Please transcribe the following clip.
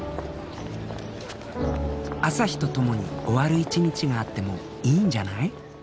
朝日とともに終わる一日があってもいいんじゃない？